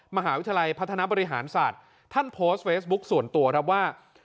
มหาวิทยาลัยพัฒนาบริหารศาสตร์ท่านโพสต์เฟซบุ๊คส่วนตัวครับว่า